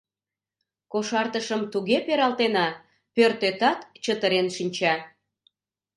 Кошартышым туге пералтена — пӧртетат чытырен шинча».